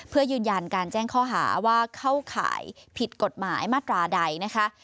เพื่อยืนยันการแจ้งข้อหาว่าเข้าข่ายผิดกฎหมายมาตราใดนะคะ